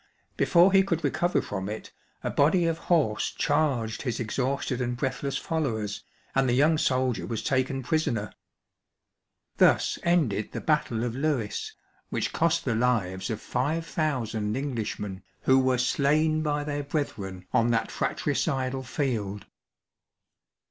Before he could recover from it, a body of horse chai^ged his exhausted and breath less followers, and the young soldier was taken prisoner. Thus ended the battle of Lewes, which cost the lives of jooo Englishmen, who were slain by their brethren on that fratricidal field.